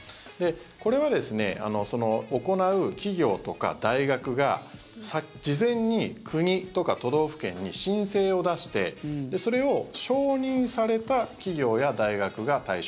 これは行う企業とか大学が事前に国とか都道府県に申請を出して、それを承認された企業や大学が対象。